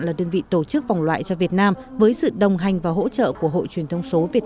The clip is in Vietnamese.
là đơn vị tổ chức vòng loại cho việt nam với sự đồng hành và hỗ trợ của hội truyền thông số việt